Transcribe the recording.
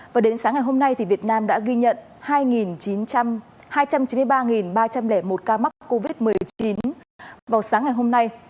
và đến sáng ngày hôm nay thì việt nam đã ghi nhận hai chín mươi ba ba trăm linh một ca mắc covid một mươi chín vào sáng ngày hôm nay